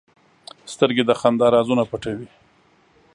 سترګې د خندا رازونه پټوي